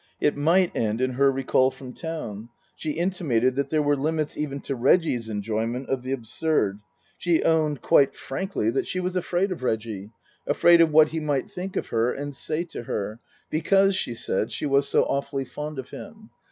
It might end in her recall from town. She intimated that there were limits even to Reggie's enjoyment of the absurd ; she owned quite 48 Tasker Jevons frankly that she was afraid of Reggie afraid of what he might think of her and say to her ; because, she said, she was so awfully fond of him.